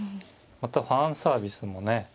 またファンサービスもね